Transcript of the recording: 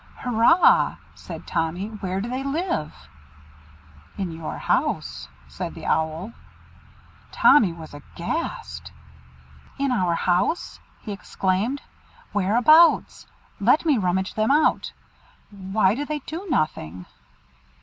"Hurrah!" said Tommy. "Where do they live?" "In your house," said the Owl. Tommy was aghast. "In our house!" he exclaimed. "Whereabouts? Let me rummage them out. Why do they do nothing?"